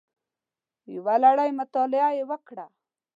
یوه لړۍ مطالعې یې وکړې